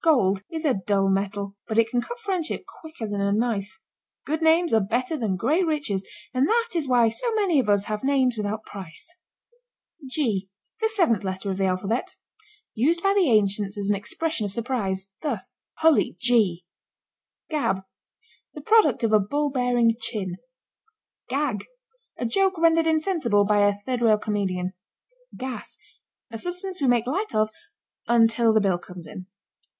Gold is a dull metal, but it can cut friendship quicker than a knife. Good names are better than great riches and that is why so many of us have names without price. ### G: The seventh letter of the alphabet. Used by the ancients as an expression of surprise, thus: Hully Gee! ###GAB. The product of a ball bearing chin. GAG. A joke rendered insensible by a third rail comedian. GAS. A substance we make light of until the bill comes in.